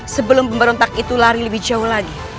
sebelum pemberontak itu lari lebih jauh lagi